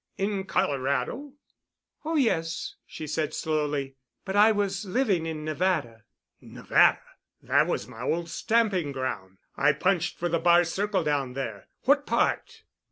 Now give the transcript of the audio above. "In Colorado?" "Oh, yes," she said slowly, "but I was living in Nevada." "Nevada? That was my old stamping ground. I punched for the Bar Circle down there. What part?"